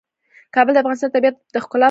کابل د افغانستان د طبیعت د ښکلا برخه ده.